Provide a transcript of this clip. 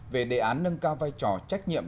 về đề án nâng cao vai trò trách nhiệm